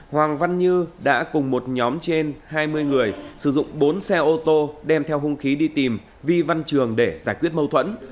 hoàng văn như đã cùng một nhóm trên hai mươi người sử dụng bốn xe ô tô đem theo hung khí đi tìm vi văn trường để giải quyết mâu thuẫn